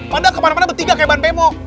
manda kemana mana bertiga kayak ban bemo